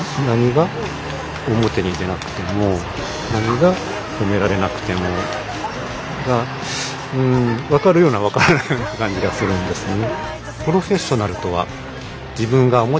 何が「褒められなくても」が分かるような分からないような感じがするんですね。